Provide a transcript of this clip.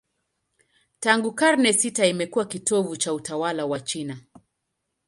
Tangu karne sita imekuwa kitovu cha utawala wa China.